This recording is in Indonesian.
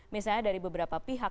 misalnya dari beberapa pihak